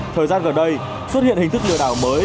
thời gian gần đây xuất hiện hình thức lừa đảo mới